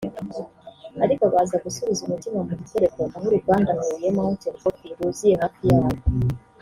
ariko baza gusubiza umutima mu gitereko aho uruganda Huye Mountain Coffee ruziye hafi yabo